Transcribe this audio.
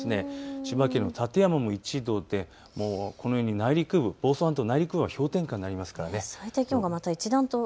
千葉県の館山も１度でこのように内陸部、房総半島内陸部は氷点下になりますからね。